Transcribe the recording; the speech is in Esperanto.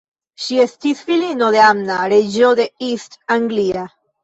Ŝi estis filino de Anna, reĝo de East Anglia.